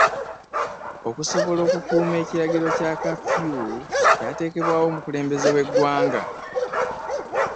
Okusobola okukuuma ekiragiro kya kaafiyu ekyateekebwawo omukulembeze w'eggwanga.